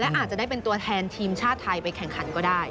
อาจจะได้เป็นตัวแทนทีมชาติไทยไปแข่งขันก็ได้